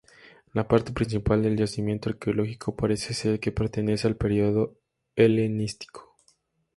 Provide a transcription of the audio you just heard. La parte principal del yacimiento arqueológico parece ser que pertenece al periodo helenístico.